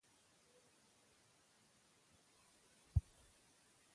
ډېره مننه له محترم مدير صيب څخه